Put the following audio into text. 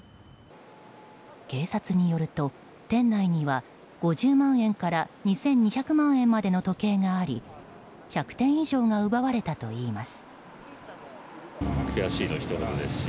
警察によると店内には５０万円から２２００万円までの時計があり１００点以上が奪われたといいます。